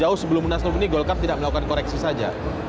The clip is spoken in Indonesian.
oh sebelum menasnubuni golkar tidak melakukan koreksi saja